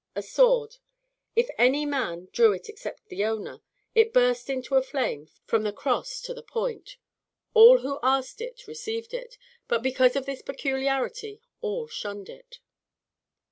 A sword; if any man drew it except the owner, it burst into a flame from the cross to the point. All who asked it received it; but because of this peculiarity all shunned it.